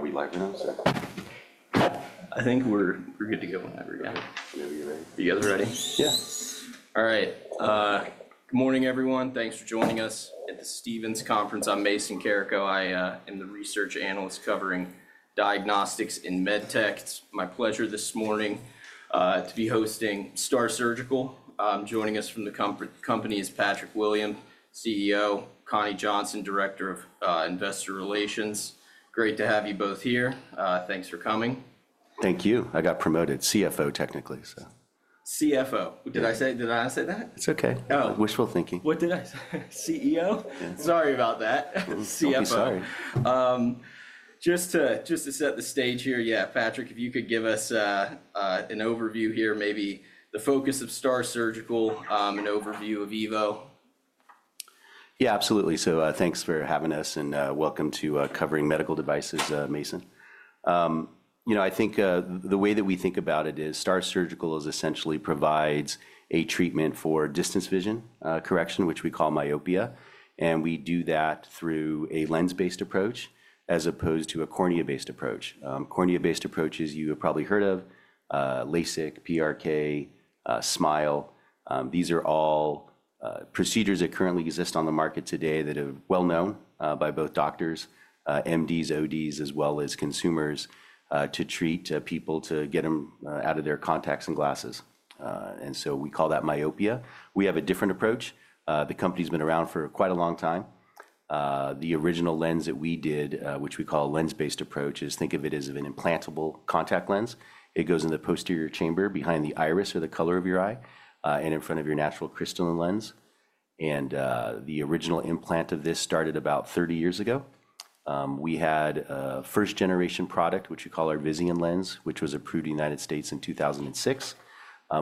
Are we live now? I think we're good to go whenever you're ready. You guys ready? Yeah. All right. Good morning, everyone. Thanks for joining us at the Stephens Conference. I'm Mason Carrico. I am the research analyst covering diagnostics in medtech. It's my pleasure this morning to be hosting STAAR Surgical. Joining us from the company is Patrick Williams, CEO, Connie Johnson, Director of Investor Relations. Great to have you both here. Thanks for coming. Thank you. I got promoted CFO, technically. CFO. Did I say that? It's OK. Wishful thinking. What did I say? CEO? Sorry about that. Don't be sorry. Just to set the stage here, yeah, Patrick, if you could give us an overview here, maybe the focus of STAAR Surgical, an overview of EVO. Yeah, absolutely. So thanks for having us and welcome to covering medical devices, Mason. You know, I think the way that we think about it is STAAR Surgical essentially provides a treatment for distance vision correction, which we call myopia, and we do that through a lens-based approach as opposed to a cornea-based approach. Cornea-based approaches you have probably heard of: LASIK, PRK, SMILE. These are all procedures that currently exist on the market today that are well known by both doctors, MDs, ODs, as well as consumers to treat people, to get them out of their contacts and glasses, and so we call that myopia. We have a different approach. The company's been around for quite a long time. The original lens that we did, which we call a lens-based approach, is, think of it as an implantable contact lens. It goes in the posterior chamber behind the iris or the color of your eye and in front of your natural crystalline lens, and the original implant of this started about 30 years ago. We had a first-generation product, which we call our Visian Lens, which was approved in the United States in 2006.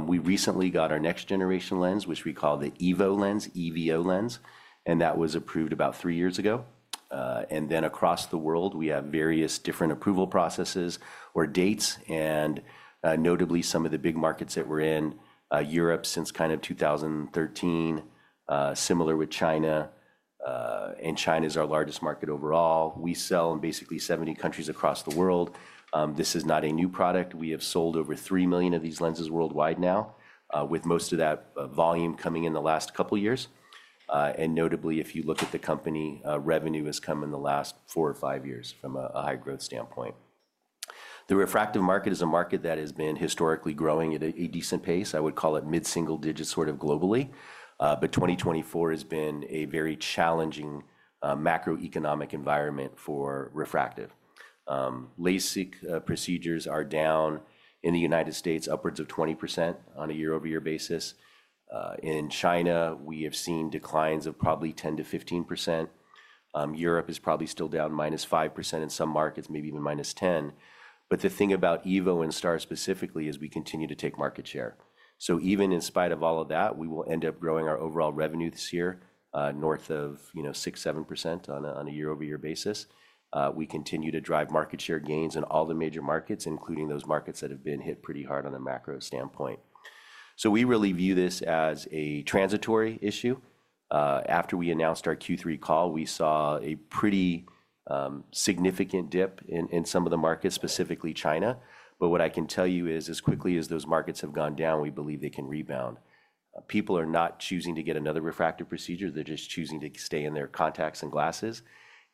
We recently got our next-generation lens, which we call the EVO lens, EVO lens, and that was approved about three years ago, and then across the world, we have various different approval processes or dates, and notably, some of the big markets that we're in, Europe since kind of 2013, similar with China, and China is our largest market overall. We sell in basically 70 countries across the world. This is not a new product. We have sold over 3 million of these lenses worldwide now, with most of that volume coming in the last couple of years, and notably, if you look at the company, revenue has come in the last four or five years from a high-growth standpoint. The refractive market is a market that has been historically growing at a decent pace. I would call it mid-single digit sort of globally, but 2024 has been a very challenging macroeconomic environment for refractive. LASIK procedures are down in the United States upwards of 20% on a year-over-year basis. In China, we have seen declines of probably 10% to 15%. Europe is probably still down -5% in some markets, maybe even -10%, but the thing about EVO and STAAR specifically is we continue to take market share. So even in spite of all of that, we will end up growing our overall revenue this year north of 6-7% on a year-over-year basis. We continue to drive market share gains in all the major markets, including those markets that have been hit pretty hard on a macro standpoint. So we really view this as a transitory issue. After we announced our Q3 call, we saw a pretty significant dip in some of the markets, specifically China. But what I can tell you is, as quickly as those markets have gone down, we believe they can rebound. People are not choosing to get another refractive procedure. They're just choosing to stay in their contacts and glasses.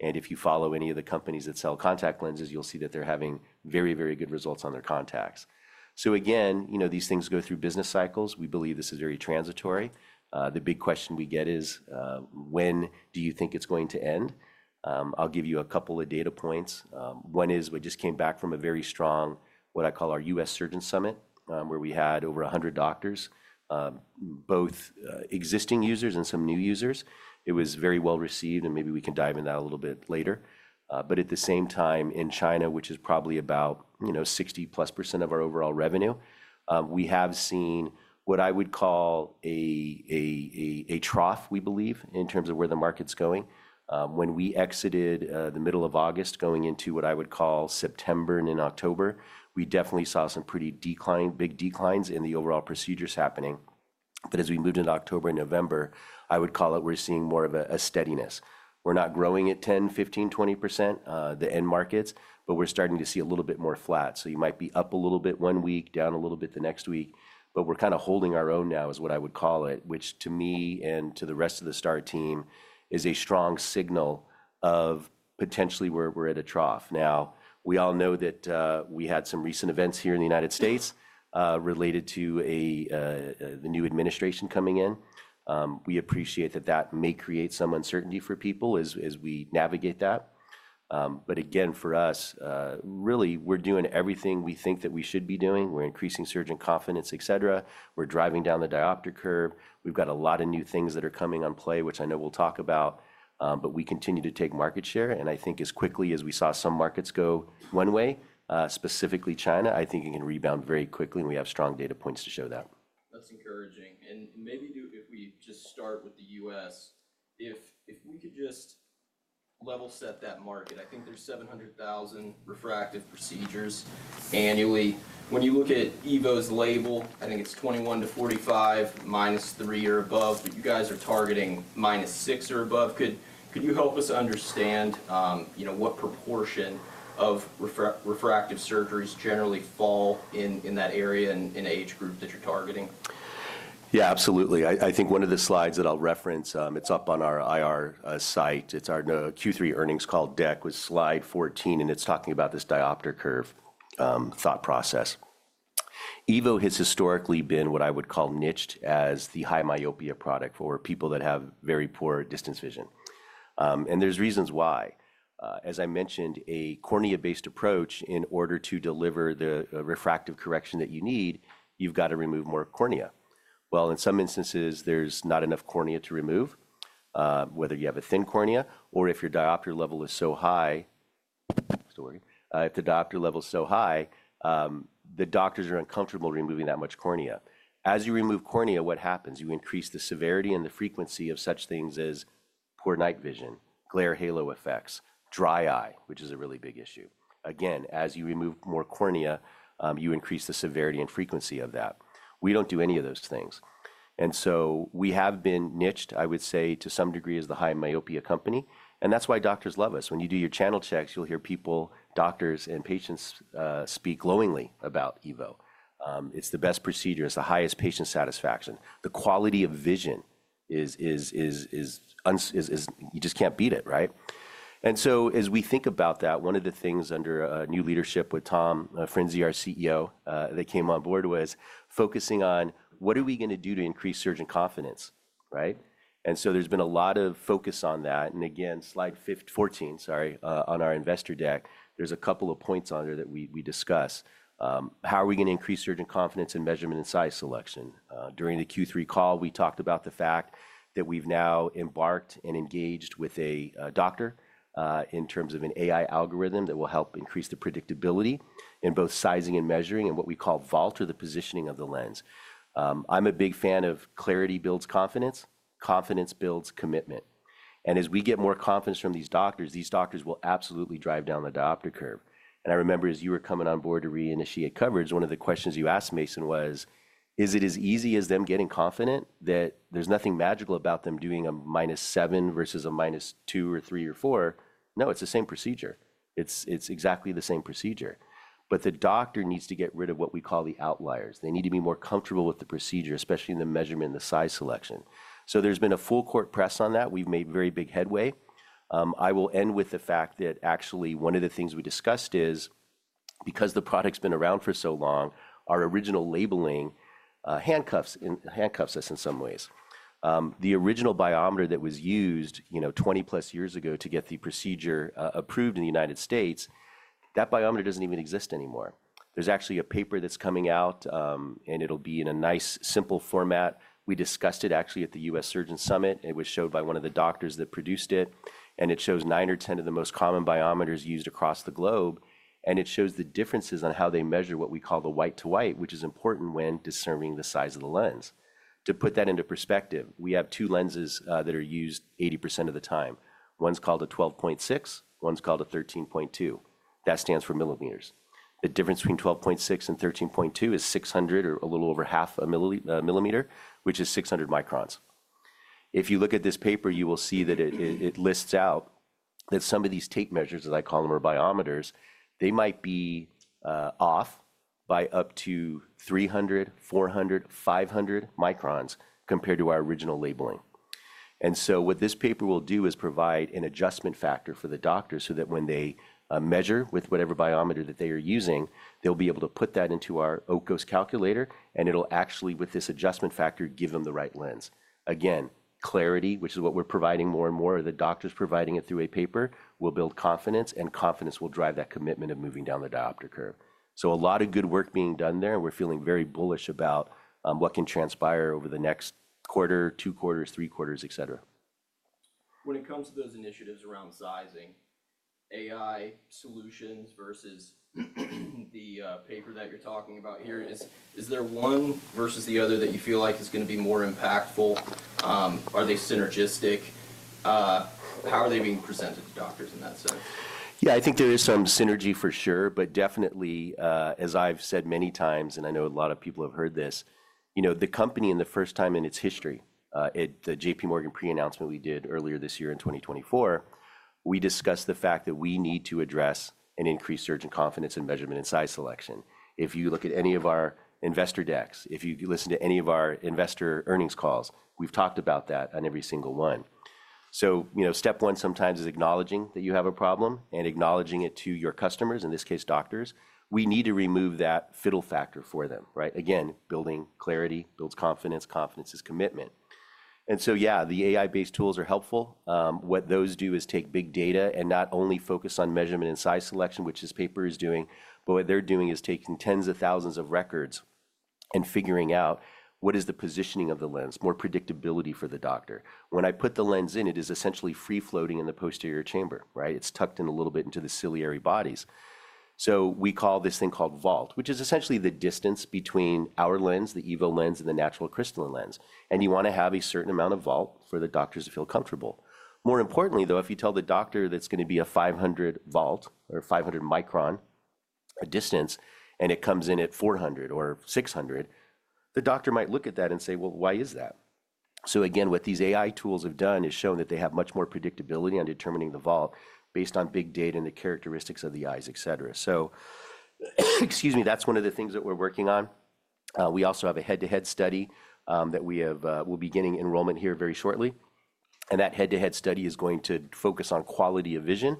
And if you follow any of the companies that sell contact lenses, you'll see that they're having very, very good results on their contacts. So again, you know, these things go through business cycles. We believe this is very transitory. The big question we get is, when do you think it's going to end? I'll give you a couple of data points. One is we just came back from a very strong, what I call our US Surgeon Summit, where we had over 100 doctors, both existing users and some new users. It was very well received, and maybe we can dive into that a little bit later. But at the same time, in China, which is probably about 60% plus of our overall revenue, we have seen what I would call a trough, we believe, in terms of where the market's going. When we exited the middle of August going into what I would call September and in October, we definitely saw some pretty big declines in the overall procedures happening. But as we moved into October and November, I would call it we're seeing more of a steadiness. We're not growing at 10%, 15%, 20%, the end markets, but we're starting to see a little bit more flat. So you might be up a little bit one week, down a little bit the next week. But we're kind of holding our own now is what I would call it, which to me and to the rest of the STAAR team is a strong signal of potentially we're at a trough. Now, we all know that we had some recent events here in the United States related to the new administration coming in. We appreciate that that may create some uncertainty for people as we navigate that. But again, for us, really, we're doing everything we think that we should be doing. We're increasing surgeon confidence, et cetera. We're driving down the diopter curve. We've got a lot of new things that are coming into play, which I know we'll talk about. But we continue to take market share. And I think as quickly as we saw some markets go one way, specifically China, I think it can rebound very quickly. And we have strong data points to show that. That's encouraging. And maybe if we just start with the US, if we could just level set that market, I think there's 700,000 refractive procedures annually. When you look at EVO's label, I think it's 21 to 45 minus 3 or above. But you guys are targeting minus 6 or above. Could you help us understand what proportion of refractive surgeries generally fall in that area and age group that you're targeting? Yeah, absolutely. I think one of the slides that I'll reference, it's up on our IR site. It's our Q3 earnings call deck was slide 14, and it's talking about this diopter curve thought process. EVO has historically been what I would call niched as the high myopia product for people that have very poor distance vision. And there's reasons why. As I mentioned, a cornea-based approach, in order to deliver the refractive correction that you need, you've got to remove more cornea. Well, in some instances, there's not enough cornea to remove, whether you have a thin cornea or if your diopter level is so high. If the diopter level is so high, the doctors are uncomfortable removing that much cornea. As you remove cornea, what happens? You increase the severity and the frequency of such things as poor night vision, glare, halo effects, dry eye, which is a really big issue. Again, as you remove more cornea, you increase the severity and frequency of that. We don't do any of those things. And so we have been niched, I would say, to some degree as the high myopia company. And that's why doctors love us. When you do your channel checks, you'll hear people, doctors and patients speak glowingly about EVO. It's the best procedure. It's the highest patient satisfaction. The quality of vision is you just can't beat it, right? And so as we think about that, one of the things under new leadership with Tom Frinzi, our CEO, that came on board was focusing on what are we going to do to increase surgeon confidence, right? So there's been a lot of focus on that. Again, slide 14, sorry, on our investor deck, there's a couple of points on there that we discuss. How are we going to increase surgeon confidence and measurement and size selection? During the Q3 call, we talked about the fact that we've now embarked and engaged with a doctor in terms of an AI algorithm that will help increase the predictability in both sizing and measuring and what we call vault or the positioning of the lens. I'm a big fan of clarity builds confidence. Confidence builds commitment. As we get more confidence from these doctors, these doctors will absolutely drive down the diopter curve. And I remember as you were coming on board to reinitiate coverage, one of the questions you asked, Mason, was, is it as easy as them getting confident that there's nothing magical about them doing a minus 7 versus a minus 2 or three or four? No, it's the same procedure. It's exactly the same procedure. But the doctor needs to get rid of what we call the outliers. They need to be more comfortable with the procedure, especially in the measurement and the size selection. So there's been a full court press on that. We've made very big headway. I will end with the fact that actually one of the things we discussed is because the product's been around for so long, our original labeling handcuffs us in some ways. The original biometer that was used 20 plus years ago to get the procedure approved in the United States, that biometer doesn't even exist anymore. There's actually a paper that's coming out, and it'll be in a nice, simple format. We discussed it actually at the U.S. Surgeon Summit. It was showed by one of the doctors that produced it. And it shows 9% or 10% of the most common biometers used across the globe. And it shows the differences on how they measure what we call the white-to-white, which is important when discerning the size of the lens. To put that into perspective, we have two lenses that are used 80% of the time. One's called a 12.6 mm. One's called a 13.2 mm. That stands for millimeters. The difference between 12.6 mm and 13.2 mm is 600 or a little over half a millimeter, which is 600 microns. If you look at this paper, you will see that it lists out that some of these tape measures, as I call them, or biometers, they might be off by up to 300, 400, 500 microns compared to our original labeling. And so what this paper will do is provide an adjustment factor for the doctor so that when they measure with whatever biometer that they are using, they'll be able to put that into our OCOS calculator. And it'll actually, with this adjustment factor, give them the right lens. Again, clarity, which is what we're providing more and more, or the doctor's providing it through a paper, will build confidence. And confidence will drive that commitment of moving down the diopter curve. So a lot of good work being done there. We're feeling very bullish about what can transpire over the next quarter, two quarters, three quarters, et cetera. When it comes to those initiatives around sizing, AI solutions versus the paper that you're talking about here, is there one versus the other that you feel like is going to be more impactful? Are they synergistic? How are they being presented to doctors in that sense? Yeah, I think there is some synergy for sure. But definitely, as I've said many times, and I know a lot of people have heard this, you know, the company in the first time in its history, at the J.P. Morgan pre-announcement we did earlier this year in 2024, we discussed the fact that we need to address and increase surgeon confidence and measurement and size selection. If you look at any of our investor decks, if you listen to any of our investor earnings calls, we've talked about that on every single one. So step one sometimes is acknowledging that you have a problem and acknowledging it to your customers, in this case, doctors. We need to remove that fiddle factor for them, right? Again, building clarity builds confidence. Confidence is commitment. And so yeah, the AI-based tools are helpful. What those do is take big data and not only focus on measurement and size selection, which this paper is doing, but what they're doing is taking tens of thousands of records and figuring out what is the positioning of the lens, more predictability for the doctor. When I put the lens in, it is essentially free floating in the posterior chamber, right? It's tucked in a little bit into the ciliary bodies. So we call this thing called vault, which is essentially the distance between our lens, the EVO lens, and the natural crystalline lens. And you want to have a certain amount of vault for the doctors to feel comfortable. More importantly, though, if you tell the doctor that's going to be a 500 vault or 500 micron distance, and it comes in at 400 or 600, the doctor might look at that and say, well, why is that? So again, what these AI tools have done is shown that they have much more predictability on determining the vault based on big data and the characteristics of the eyes, et cetera. So excuse me, that's one of the things that we're working on. We also have a head-to-head study that we will be getting enrollment here very shortly. And that head-to-head study is going to focus on quality of vision.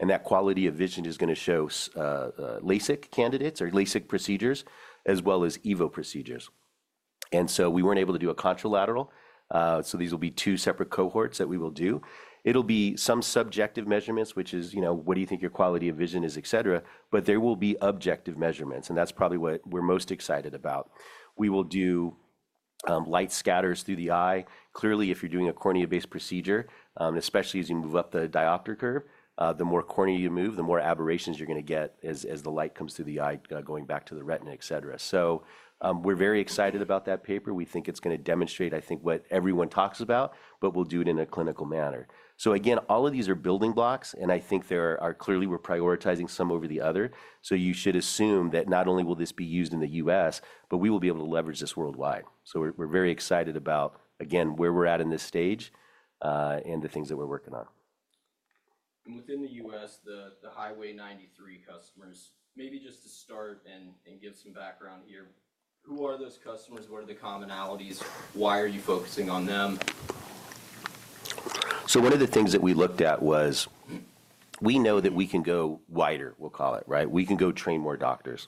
And that quality of vision is going to show LASIK candidates or LASIK procedures as well as EVO procedures. And so we weren't able to do a contralateral. So these will be two separate cohorts that we will do. It'll be some subjective measurements, which is, you know, what do you think your quality of vision is, et cetera, but there will be objective measurements, and that's probably what we're most excited about. We will do light scatters through the eye. Clearly, if you're doing a cornea-based procedure, especially as you move up the diopter curve, the more cornea you move, the more aberrations you're going to get as the light comes through the eye, going back to the retina, et cetera, so we're very excited about that paper. We think it's going to demonstrate, I think, what everyone talks about, but we'll do it in a clinical manner, so again, all of these are building blocks, and I think there are clearly we're prioritizing some over the other. So you should assume that not only will this be used in the U.S., but we will be able to leverage this worldwide. So we're very excited about, again, where we're at in this stage and the things that we're working on. And within the U.S., the Highway 93 customers, maybe just to start and give some background here, who are those customers? What are the commonalities? Why are you focusing on them? So one of the things that we looked at was we know that we can go wider, we'll call it, right? We can go train more doctors.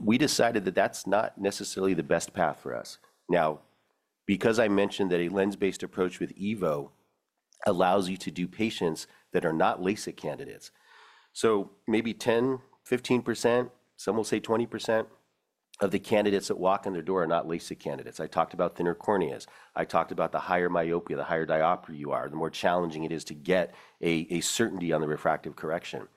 We decided that that's not necessarily the best path for us. Now, because I mentioned that a lens-based approach with EVO allows you to do patients that are not LASIK candidates. So maybe 10%, 15%, some will say 20% of the candidates that walk in the door are not LASIK candidates. I talked about thinner corneas. I talked about the higher myopia, the higher diopter you are, the more challenging it is to get a certainty on the refractive correction.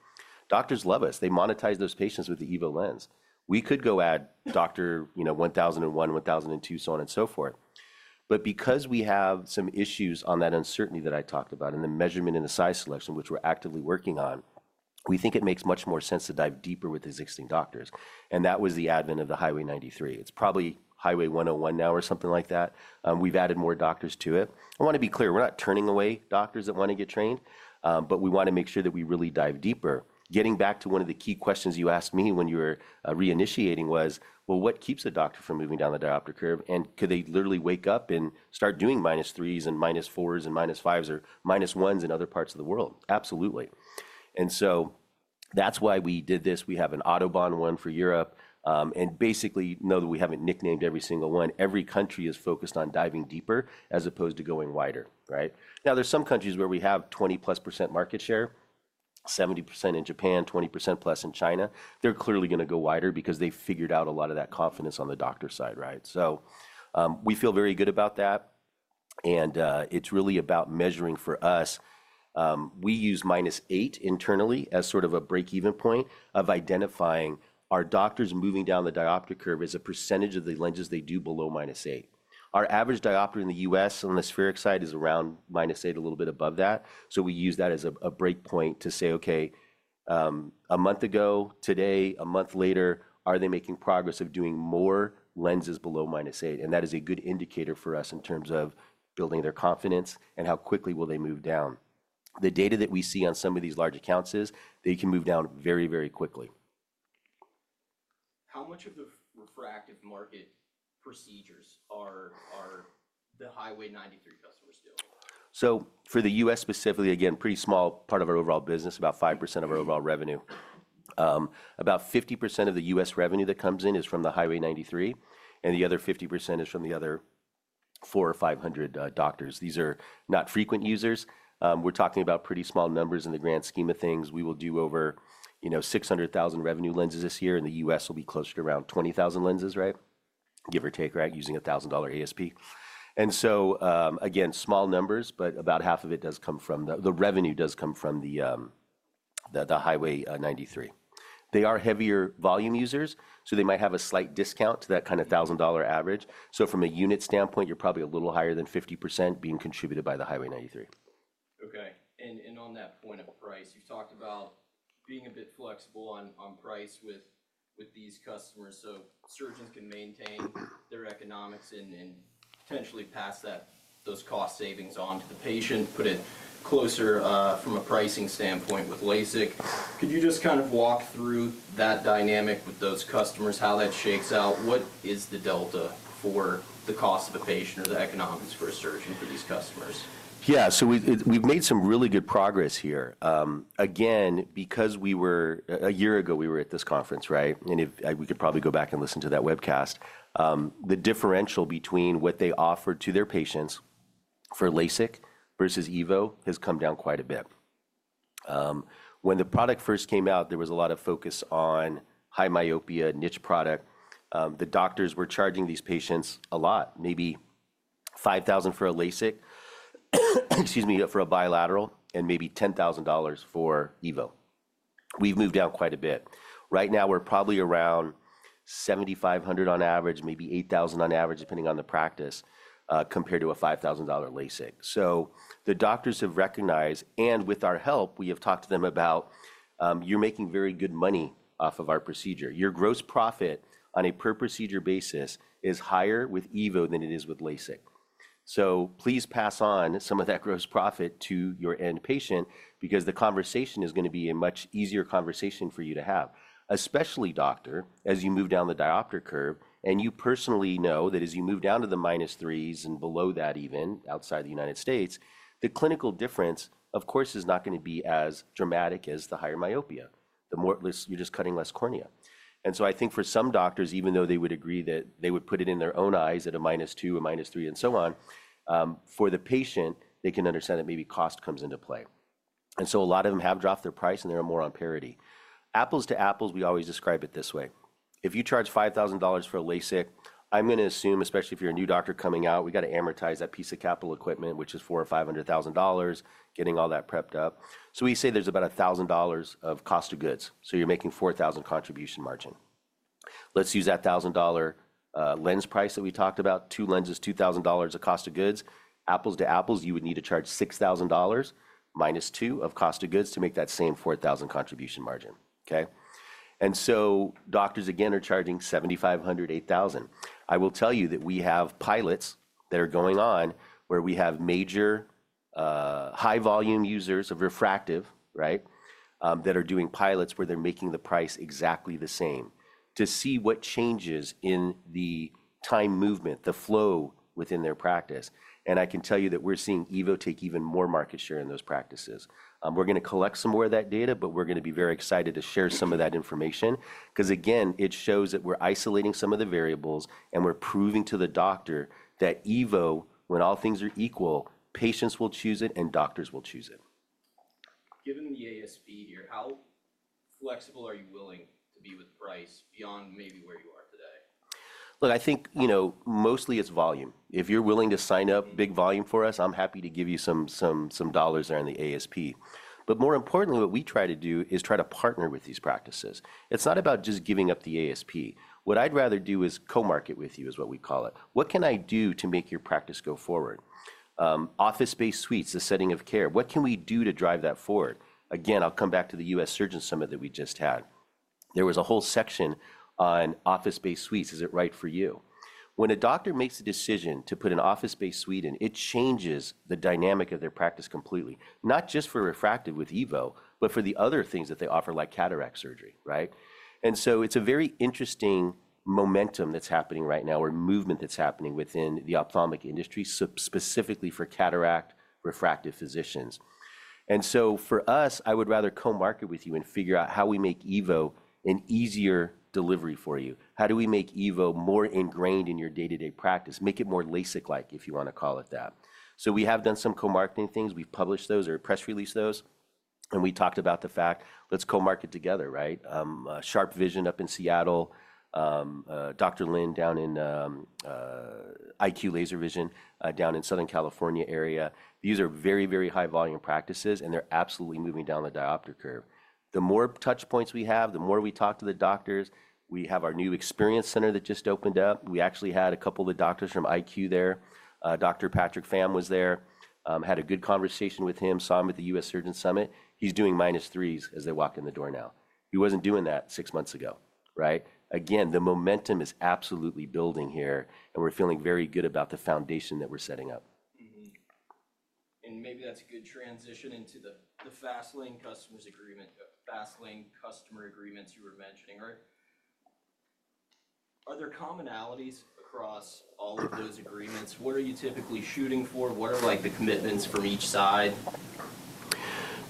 Doctors love us. They monetize those patients with the EVO lens. We could go add Dr. 1001, 1002, so on and so forth. But because we have some issues on that uncertainty that I talked about and the measurement and the size selection, which we're actively working on, we think it makes much more sense to dive deeper with existing doctors. And that was the advent of the Highway 93. It's probably Highway 101 now or something like that. We've added more doctors to it. I want to be clear. We're not turning away doctors that want to get trained. But we want to make sure that we really dive deeper. Getting back to one of the key questions you asked me when you were reinitiating was, well, what keeps a doctor from moving down the diopter curve? And could they literally wake up and start doing minus threes and minus fours and minus fives or minus ones in other parts of the world? Absolutely. And so that's why we did this. We have an Autobahn one for Europe. And basically, no, we haven't nicknamed every single one. Every country is focused on diving deeper as opposed to going wider, right? Now, there's some countries where we have 20% plus market share, 70% in Japan, 20% plus in China. They're clearly going to go wider because they figured out a lot of that confidence on the doctor side, right? So we feel very good about that. And it's really about measuring for us. We use minus 8 internally as sort of a break-even point of identifying our doctors moving down the diopter curve as a percentage of the lenses they do below minus 8. Our average diopter in the U.S. on the spheric side is around minus 8, a little bit above that. So we use that as a breakpoint to say, OK, a month ago, today, a month later, are they making progress of doing more lenses below minus 8? And that is a good indicator for us in terms of building their confidence and how quickly will they move down. The data that we see on some of these large accounts is they can move down very, very quickly. How much of the refractive market procedures are the Highway 93 customers doing? For the U.S. specifically, again, pretty small part of our overall business, about 5% of our overall revenue. About 50% of the U.S. revenue that comes in is from the Highway 93. The other 50% is from the other 400 or 500 doctors. These are not frequent users. We're talking about pretty small numbers in the grand scheme of things. We will do over 600,000 EVO lenses this year. The U.S. will be closer to around 20,000 lenses, right? Give or take, right, using $1,000 ASP. Again, small numbers, but about half of the revenue does come from the Highway 93. They are heavier volume users. They might have a slight discount to that kind of $1,000 average. From a unit standpoint, you're probably a little higher than 50% being contributed by the Highway 93. OK. And on that point of price, you talked about being a bit flexible on price with these customers so surgeons can maintain their economics and potentially pass those cost savings on to the patient, put it closer from a pricing standpoint with LASIK. Could you just kind of walk through that dynamic with those customers, how that shakes out? What is the delta for the cost of a patient or the economics for a surgeon for these customers? Yeah, so we've made some really good progress here. Again, because we were a year ago, we were at this conference, right? And we could probably go back and listen to that webcast. The differential between what they offered to their patients for LASIK versus EVO has come down quite a bit. When the product first came out, there was a lot of focus on high myopia, niche product. The doctors were charging these patients a lot, maybe $5,000 for a LASIK, excuse me, for a bilateral, and maybe $10,000 for EVO. We've moved down quite a bit. Right now, we're probably around $7,500 on average, maybe $8,000 on average, depending on the practice, compared to a $5,000 LASIK. So the doctors have recognized, and with our help, we have talked to them about you're making very good money off of our procedure. Your gross profit on a per-procedure basis is higher with EVO than it is with LASIK. So please pass on some of that gross profit to your end patient because the conversation is going to be a much easier conversation for you to have, especially, doctor, as you move down the diopter curve. And you personally know that as you move down to the minus 3s and below that, even outside the United States, the clinical difference, of course, is not going to be as dramatic as the higher myopia. You're just cutting less cornea. And so I think for some doctors, even though they would agree that they would put it in their own eyes at a minus 2, a minus 3, and so on, for the patient, they can understand that maybe cost comes into play. And so a lot of them have dropped their price, and they're more on parity. Apples to apples, we always describe it this way. If you charge $5,000 for a LASIK, I'm going to assume, especially if you're a new doctor coming out, we've got to amortize that piece of capital equipment, which is $400,000 or $500,000, getting all that prepped up. So we say there's about $1,000 of cost of goods. So you're making $4,000 contribution margin. Let's use that $1,000 lens price that we talked about. Two lenses, $2,000 of cost of goods. Apples to apples, you would need to charge $6,000 minus 2 of cost of goods to make that same $4,000 contribution margin, OK? And so doctors, again, are charging $7,500, $8,000. I will tell you that we have pilots that are going on where we have major high-volume users of refractive, right, that are doing pilots where they're making the price exactly the same to see what changes in the time movement, the flow within their practice, and I can tell you that we're seeing EVO take even more market share in those practices. We're going to collect some more of that data, but we're going to be very excited to share some of that information because, again, it shows that we're isolating some of the variables and we're proving to the doctor that EVO, when all things are equal, patients will choose it and doctors will choose it. Given the ASP here, how flexible are you willing to be with price beyond maybe where you are today? Look, I think, you know, mostly it's volume. If you're willing to sign up big volume for us, I'm happy to give you some dollars there on the ASP. But more importantly, what we try to do is try to partner with these practices. It's not about just giving up the ASP. What I'd rather do is co-market with you is what we call it. What can I do to make your practice go forward? Office-based suites, the setting of care, what can we do to drive that forward? Again, I'll come back to the U.S. surgeon summit that we just had. There was a whole section on office-based suites. Is it right for you? When a doctor makes a decision to put an office-based suite in, it changes the dynamic of their practice completely, not just for refractive with EVO, but for the other things that they offer, like cataract surgery, right? And so it's a very interesting momentum that's happening right now or movement that's happening within the ophthalmic industry, specifically for cataract refractive physicians. And so for us, I would rather co-market with you and figure out how we make EVO an easier delivery for you. How do we make EVO more ingrained in your day-to-day practice, make it more LASIK-like, if you want to call it that? So we have done some co-marketing things. We've published those or press-released those. And we talked about the fact, let's co-market together, right? SharpeVision up in Seattle, Dr. Lin down in IQ Laser Vision down in Southern California area. These are very, very high-volume practices, and they're absolutely moving down the diopter curve. The more touch points we have, the more we talk to the doctors. We have our new experience center that just opened up. We actually had a couple of the doctors from IQ there. Dr. Patrick Pham was there. Had a good conversation with him, saw him at the U.S. Surgeon Summit. He's doing minus 3s as they walk in the door now. He wasn't doing that six months ago, right? Again, the momentum is absolutely building here, and we're feeling very good about the foundation that we're setting up. And maybe that's a good transition into the FastLink customer agreements you were mentioning, right? Are there commonalities across all of those agreements? What are you typically shooting for? What are the commitments from each side?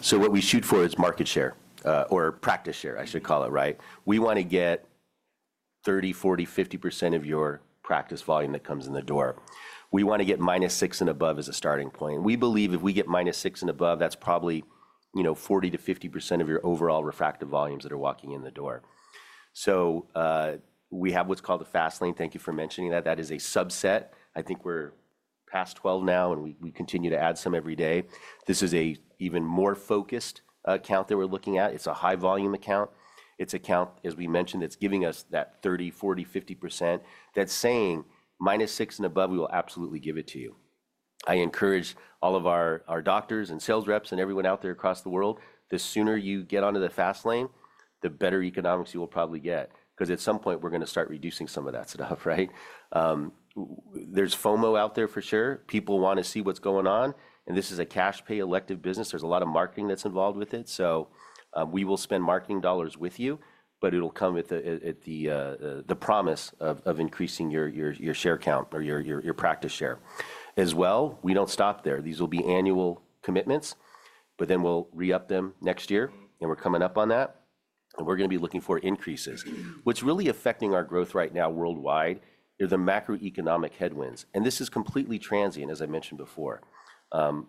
So what we shoot for is market share or practice share, I should call it, right? We want to get 30%, 40%, 50% of your practice volume that comes in the door. We want to get minus 6 and above as a starting point. We believe if we get minus 6 and above, that's probably 40%-50% of your overall refractive volumes that are walking in the door. So we have what's called the FastLink. Thank you for mentioning that. That is a subset. I think we're past 12 now, and we continue to add some every day. This is an even more focused account that we're looking at. It's a high-volume account. It's an account, as we mentioned, that's giving us that 30%, 40%, 50% that's saying minus 6 and above, we will absolutely give it to you. I encourage all of our doctors and sales reps and everyone out there across the world, the sooner you get onto the FastLink, the better economics you will probably get because at some point, we're going to start reducing some of that stuff, right? There's FOMO out there for sure. People want to see what's going on. And this is a cash-pay elective business. There's a lot of marketing that's involved with it. So we will spend marketing dollars with you, but it'll come with the promise of increasing your share count or your practice share. As well, we don't stop there. These will be annual commitments. But then we'll re-up them next year. And we're coming up on that. And we're going to be looking for increases. What's really affecting our growth right now worldwide are the macroeconomic headwinds. And this is completely transient, as I mentioned before.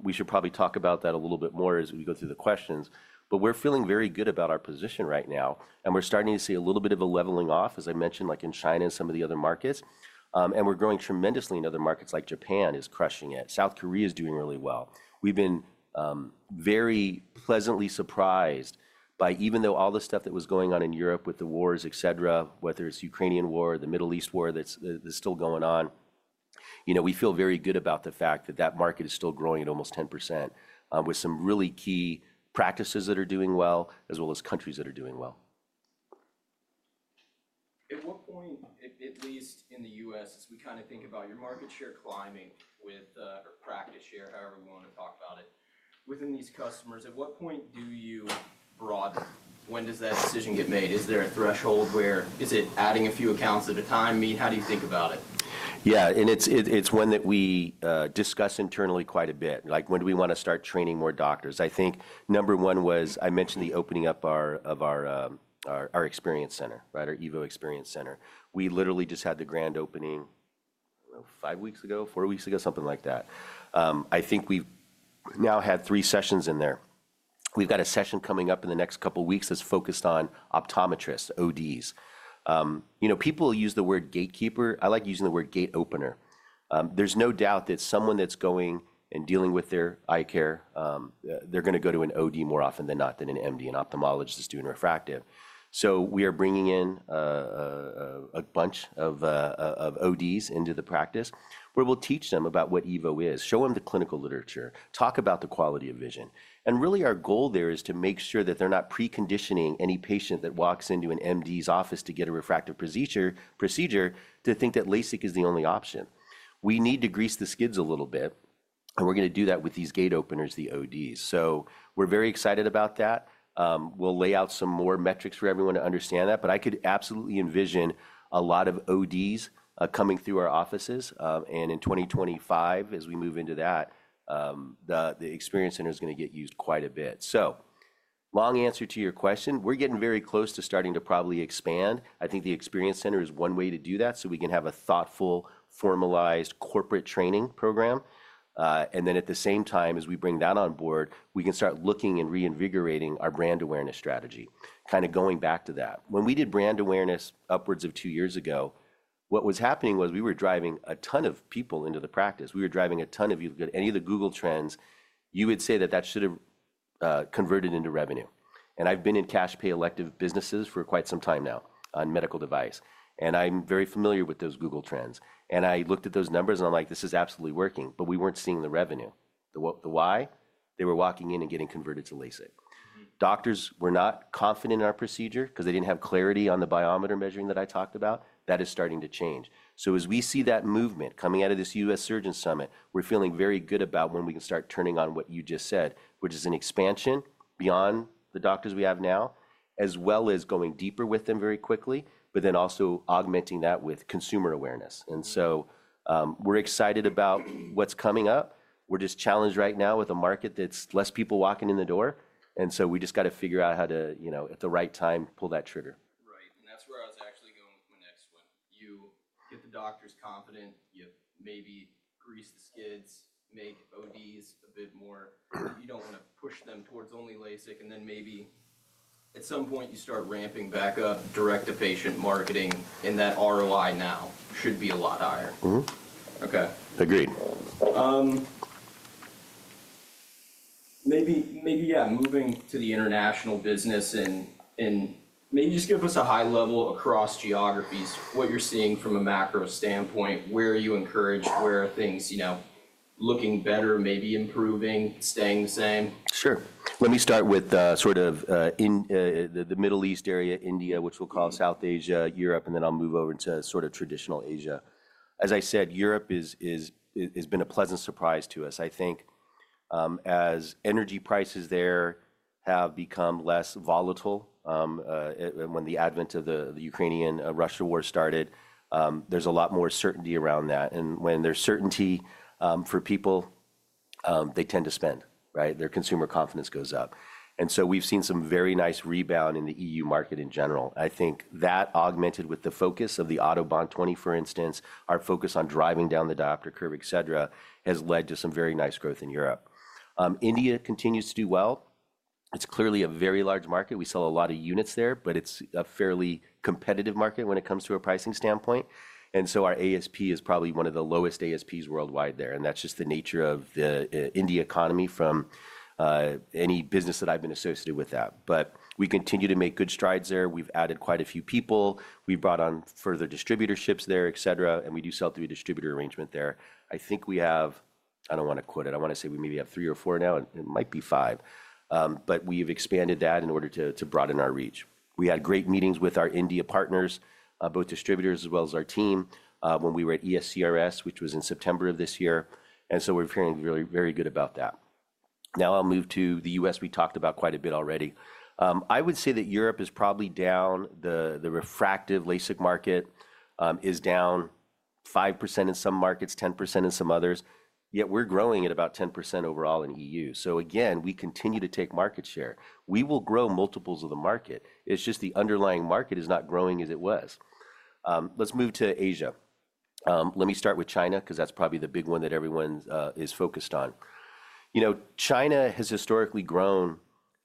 We should probably talk about that a little bit more as we go through the questions. But we're feeling very good about our position right now, and we're starting to see a little bit of a leveling off, as I mentioned, like in China and some of the other markets, and we're growing tremendously in other markets, like Japan is crushing it. South Korea is doing really well. We've been very pleasantly surprised by, even though all the stuff that was going on in Europe with the wars, et cetera, whether it's the Ukrainian war, the Middle East war that's still going on, you know, we feel very good about the fact that that market is still growing at almost 10% with some really key practices that are doing well, as well as countries that are doing well. At what point, at least in the U.S., as we kind of think about your market share climbing with practice share, however we want to talk about it, within these customers, at what point do you broaden? When does that decision get made? Is there a threshold? Where is it adding a few accounts at a time? I mean, how do you think about it? Yeah, and it's one that we discuss internally quite a bit, like when do we want to start training more doctors? I think number one was I mentioned the opening up of our experience center, right, our EVO Experience Center. We literally just had the grand opening five weeks ago, four weeks ago, something like that. I think we've now had three sessions in there. We've got a session coming up in the next couple of weeks that's focused on optometrists, ODs. You know, people will use the word gatekeeper. I like using the word gate opener. There's no doubt that someone that's going and dealing with their eye care, they're going to go to an OD more often than not than an MD, an ophthalmologist that's doing refractive. So we are bringing in a bunch of ODs into the practice where we'll teach them about what EVO is, show them the clinical literature, talk about the quality of vision. And really, our goal there is to make sure that they're not preconditioning any patient that walks into an MD's office to get a refractive procedure to think that LASIK is the only option. We need to grease the skids a little bit. And we're going to do that with these gate openers, the ODs. So we're very excited about that. We'll lay out some more metrics for everyone to understand that. But I could absolutely NVISION a lot of ODs coming through our offices. And in 2025, as we move into that, the experience center is going to get used quite a bit. So long answer to your question, we're getting very close to starting to probably expand. I think the experience center is one way to do that so we can have a thoughtful, formalized corporate training program. And then at the same time, as we bring that on board, we can start looking and reinvigorating our brand awareness strategy, kind of going back to that. When we did brand awareness upwards of two years ago, what was happening was we were driving a ton of people into the practice. We were driving a ton. You look at any of the Google trends. You would say that that should have converted into revenue. And I've been in cash-pay elective businesses for quite some time now on medical device. And I'm very familiar with those Google trends. And I looked at those numbers, and I'm like, this is absolutely working. But we weren't seeing the revenue. The why? They were walking in and getting converted to LASIK. Doctors were not confident in our procedure because they didn't have clarity on the biometer measuring that I talked about. That is starting to change. So as we see that movement coming out of this U.S. Surgeon Summit, we're feeling very good about when we can start turning on what you just said, which is an expansion beyond the doctors we have now, as well as going deeper with them very quickly, but then also augmenting that with consumer awareness. And so we're excited about what's coming up. We're just challenged right now with a market that's less people walking in the door. And so we just got to figure out how to, you know, at the right time, pull that trigger. Right. And that's where I was actually going with my next one. You get the doctors confident. You maybe grease the skids, make ODs a bit more. You don't want to push them towards only LASIK. And then maybe at some point, you start ramping back up direct-to-patient marketing. And that ROI now should be a lot higher. OK. Agreed. Maybe, yeah, moving to the international business, and maybe just give us a high level across geographies, what you're seeing from a macro standpoint, where you encourage things, you know, looking better, maybe improving, staying the same? Sure. Let me start with sort of the Middle East area, India, which we'll call South Asia, Europe, and then I'll move over to sort of traditional Asia. As I said, Europe has been a pleasant surprise to us. I think as energy prices there have become less volatile when the advent of the Ukraine-Russia war started, there's a lot more certainty around that, and when there's certainty for people, they tend to spend, right? Their consumer confidence goes up, and so we've seen some very nice rebound in the EU market in general. I think that augmented with the focus of the Autobahn 2.0, for instance, our focus on driving down the diopter curve, et cetera, has led to some very nice growth in Europe. India continues to do well. It's clearly a very large market. We sell a lot of units there, but it's a fairly competitive market when it comes to a pricing standpoint. And so our ASP is probably one of the lowest ASPs worldwide there. And that's just the nature of the India economy from any business that I've been associated with that. But we continue to make good strides there. We've added quite a few people. We've brought on further distributorships there, et cetera. And we do sell through a distributor arrangement there. I think we have. I don't want to quote it. I want to say we maybe have three or four now. It might be five. But we have expanded that in order to broaden our reach. We had great meetings with our India partners, both distributors as well as our team, when we were at ESCRS, which was in September of this year. And so we're feeling very, very good about that. Now I'll move to the U.S. We talked about quite a bit already. I would say that Europe is probably down. The refractive LASIK market is down 5% in some markets, 10% in some others. Yet we're growing at about 10% overall in EU. So again, we continue to take market share. We will grow multiples of the market. It's just the underlying market is not growing as it was. Let's move to Asia. Let me start with China because that's probably the big one that everyone is focused on. You know, China has historically grown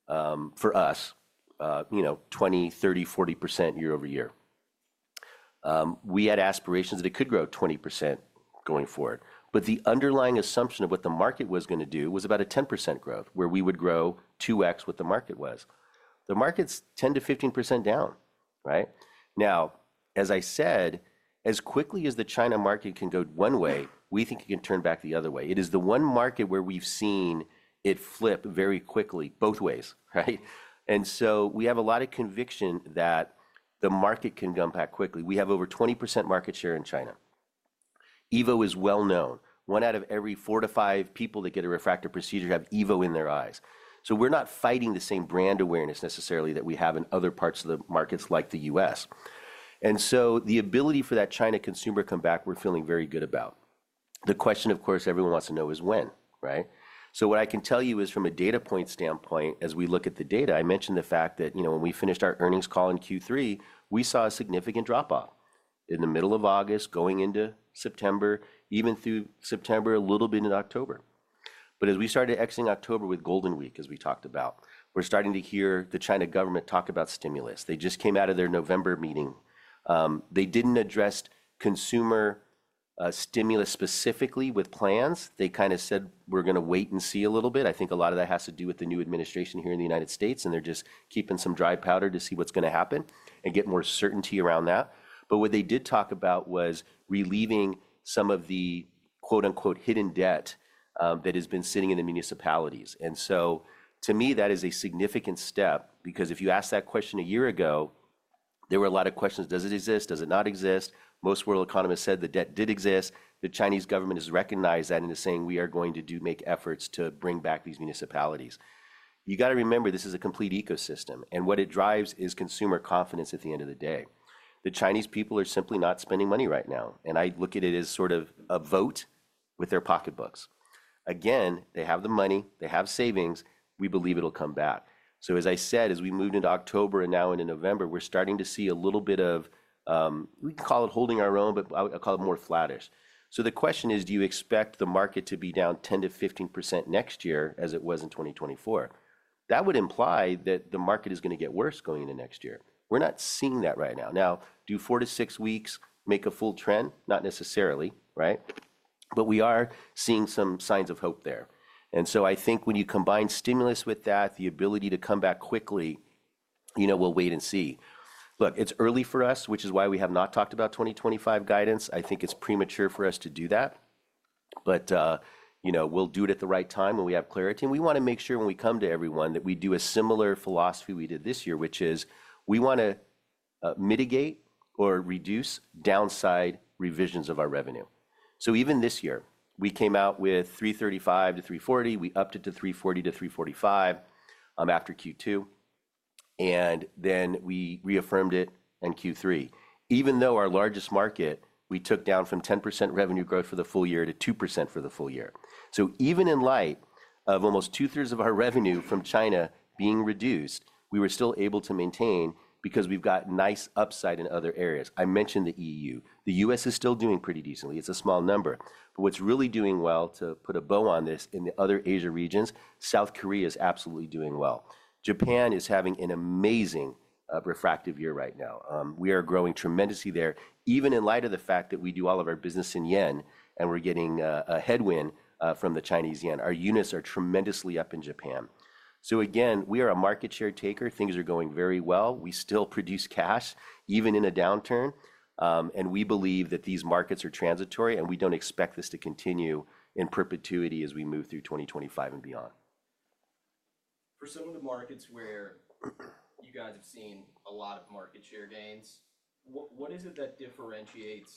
for us, you know, 20%, 30%, 40% year over year. We had aspirations that it could grow 20% going forward. But the underlying assumption of what the market was going to do was about a 10% growth, where we would grow 2X what the market was. The market's 10%-15% down, right? Now, as I said, as quickly as the China market can go one way, we think it can turn back the other way. It is the one market where we've seen it flip very quickly both ways, right? And so we have a lot of conviction that the market can come back quickly. We have over 20% market share in China. EVO is well known. One out of every four to five people that get a refractive procedure have EVO in their eyes. So we're not fighting the same brand awareness necessarily that we have in other parts of the markets, like the U.S. So the ability for that China consumer to come back, we're feeling very good about. The question, of course, everyone wants to know is when, right? So what I can tell you is from a data point standpoint, as we look at the data, I mentioned the fact that, you know, when we finished our earnings call in Q3, we saw a significant drop-off in the middle of August going into September, even through September, a little bit in October. But as we started exiting October with Golden Week, as we talked about, we're starting to hear the Chinese government talk about stimulus. They just came out of their November meeting. They didn't address consumer stimulus specifically with plans. They kind of said, we're going to wait and see a little bit. I think a lot of that has to do with the new administration here in the United States. And they're just keeping some dry powder to see what's going to happen and get more certainty around that. But what they did talk about was relieving some of the "hidden debt" that has been sitting in the municipalities. And so to me, that is a significant step because if you asked that question a year ago, there were a lot of questions. Does it exist? Does it not exist? Most world economists said the debt did exist. The Chinese government has recognized that and is saying we are going to make efforts to bring back these municipalities. You got to remember, this is a complete ecosystem. And what it drives is consumer confidence at the end of the day. The Chinese people are simply not spending money right now. I look at it as sort of a vote with their pocketbooks. Again, they have the money. They have savings. We believe it'll come back. So as I said, as we moved into October and now into November, we're starting to see a little bit of, we can call it holding our own, but I'll call it more flattish. So the question is, do you expect the market to be down 10%-15% next year as it was in 2024? That would imply that the market is going to get worse going into next year. We're not seeing that right now. Now, do four to six weeks make a full trend? Not necessarily, right? But we are seeing some signs of hope there. And so I think when you combine stimulus with that, the ability to come back quickly, you know, we'll wait and see. Look, it's early for us, which is why we have not talked about 2025 guidance. I think it's premature for us to do that. But, you know, we'll do it at the right time when we have clarity. And we want to make sure when we come to everyone that we do a similar philosophy we did this year, which is we want to mitigate or reduce downside revisions of our revenue. So even this year, we came out with $335-$340. We upped it to $340-$345 after Q2. And then we reaffirmed it in Q3. Even though our largest market, we took down from 10% revenue growth for the full year to 2% for the full year. So even in light of almost two-thirds of our revenue from China being reduced, we were still able to maintain because we've got nice upside in other areas. I mentioned the E.U. The U.S. is still doing pretty decently. It's a small number, but what's really doing well to put a bow on this in the other Asia regions, South Korea is absolutely doing well. Japan is having an amazing refractive year right now. We are growing tremendously there, even in light of the fact that we do all of our business in yen and we're getting a headwind from the Chinese yen. Our units are tremendously up in Japan, so again, we are a market share taker. Things are going very well. We still produce cash, even in a downturn, and we believe that these markets are transitory, and we don't expect this to continue in perpetuity as we move through 2025 and beyond. For some of the markets where you guys have seen a lot of market share gains, what is it that differentiates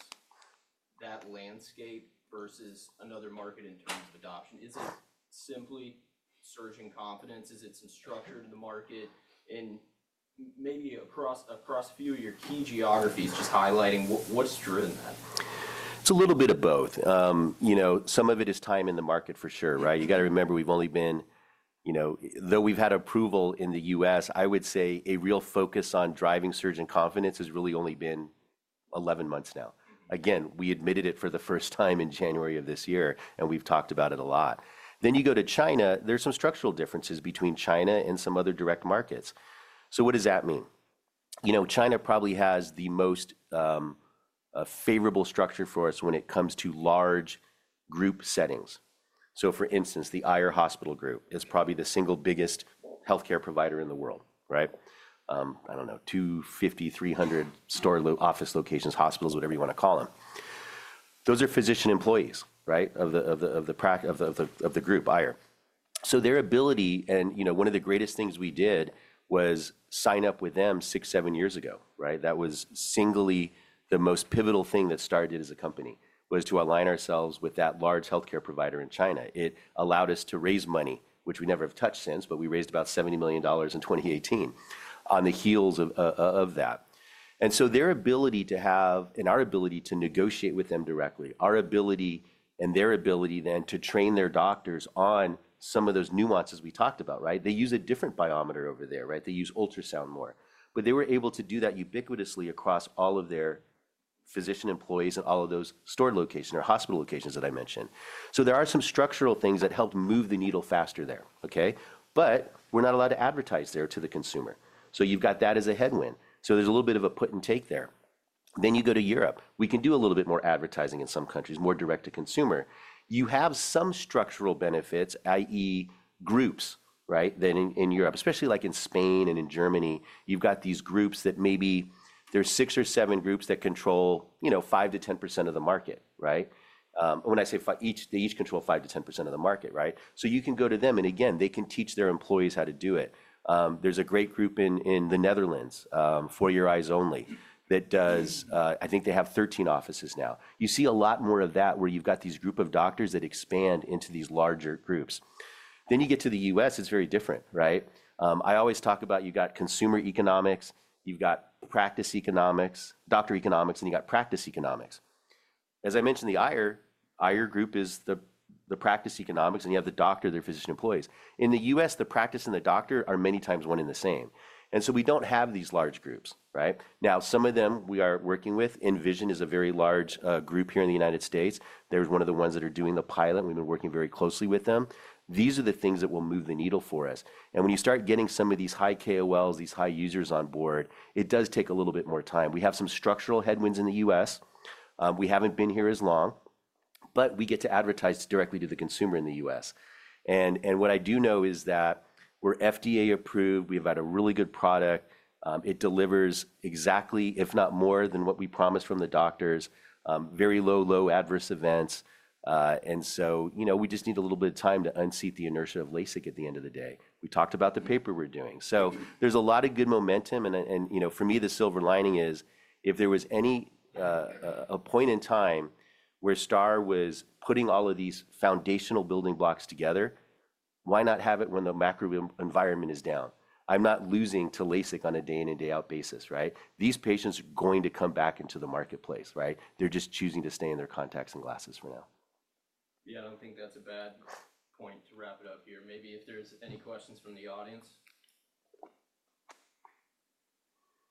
that landscape versus another market in terms of adoption? Is it simply surging confidence? Is it some structure to the market? And maybe across a few of your key geographies, just highlighting what's driven that? It's a little bit of both. You know, some of it is time in the market for sure, right? You got to remember we've only been, you know, though we've had approval in the U.S., I would say a real focus on driving surgeon confidence has really only been 11 months now. Again, we added it for the first time in January of this year, and we've talked about it a lot, then you go to China. There's some structural differences between China and some other developed markets, so what does that mean? You know, China probably has the most favorable structure for us when it comes to large group settings. So for instance, the Aier Eye Hospital Group is probably the single biggest health care provider in the world, right? I don't know, 250-300 store office locations, hospitals, whatever you want to call them. Those are physician employees, right, of the group, Aier. So their ability, and you know, one of the greatest things we did was sign up with them six, seven years ago, right? That was simply the most pivotal thing that started as a company was to align ourselves with that large health care provider in China. It allowed us to raise money, which we never have touched since, but we raised about $70 million in 2018 on the heels of that. And so their ability to have, and our ability to negotiate with them directly, our ability and their ability then to train their doctors on some of those nuances we talked about, right? They use a different biometer over there, right? They use ultrasound more. But they were able to do that ubiquitously across all of their physician employees and all of those stored locations or hospital locations that I mentioned. So there are some structural things that helped move the needle faster there, OK? But we're not allowed to advertise there to the consumer. So you've got that as a headwind. So there's a little bit of a put and take there. Then you go to Europe. We can do a little bit more advertising in some countries, more direct to consumer. You have some structural benefits, i.e., groups, right, than in Europe, especially like in Spain and in Germany. You've got these groups that maybe there's six or seven groups that control, you know, 5%-10% of the market, right? When I say each, they each control 5%-10% of the market, right? So you can go to them. And again, they can teach their employees how to do it. There's a great group in the Netherlands, For Your Eyes Only, that does. I think they have 13 offices now. You see a lot more of that where you've got these groups of doctors that expand into these larger groups. Then you get to the U.S. It's very different, right? I always talk about you've got consumer economics. You've got practice economics, doctor economics, and you've got practice economics. As I mentioned, the Aier group is the practice economics. And you have the doctor, their physician employees. In the U.S., the practice and the doctor are many times one and the same. And so we don't have these large groups, right? Now, some of them we are working with. NVISION is a very large group here in the United States. They're one of the ones that are doing the pilot. We've been working very closely with them. These are the things that will move the needle for us. And when you start getting some of these high KOLs, these high users on board, it does take a little bit more time. We have some structural headwinds in the U.S. We haven't been here as long. But we get to advertise directly to the consumer in the U.S. And what I do know is that we're FDA approved. We've got a really good product. It delivers exactly, if not more than what we promised from the doctors. Very low, low adverse events. And so, you know, we just need a little bit of time to unseat the inertia of LASIK at the end of the day. We talked about the paper we're doing. So there's a lot of good momentum. You know, for me, the silver lining is if there was any point in time where STAAR was putting all of these foundational building blocks together, why not have it when the macro environment is down? I'm not losing to LASIK on a day-in and day-out basis, right? These patients are going to come back into the marketplace, right? They're just choosing to stay in their contacts and glasses for now. Yeah, I don't think that's a bad point to wrap it up here. Maybe if there's any questions from the audience?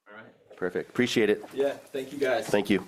All right. Perfect. Appreciate it. Yeah. Thank you, guys. Thank you.